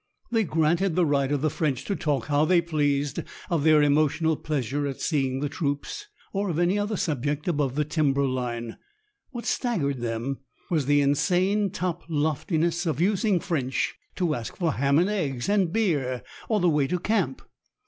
They granted the right of the French to talk how they pleased of their emotional pleasure at seeing the troops, or of any other subject above the timber line. What staggered them was the insane top loftiness of using French to ask for ham and eggs, and beer, or the way to camp.